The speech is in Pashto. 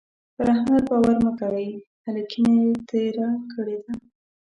پر احمد باور مه کوئ؛ هلکينه يې تېره کړې ده.